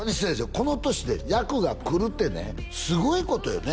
この歳で役が来るってねすごいことよね